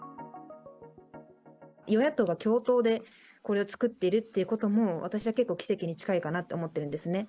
与野党が共同でこれを作っているっていうことも、私は結構、奇跡に近いかなって思っているんですね。